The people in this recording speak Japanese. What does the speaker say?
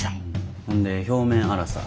ほんで表面粗さ。